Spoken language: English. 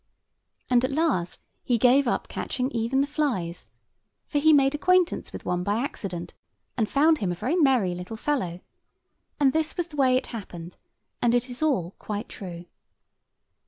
And at last he gave up catching even the flies; for he made acquaintance with one by accident and found him a very merry little fellow. And this was the way it happened; and it is all quite true.